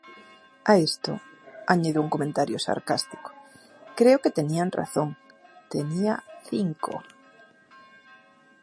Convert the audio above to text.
A esto, añadió un comentario sarcástico: "creo que tenían razón..., tenía "cinco"".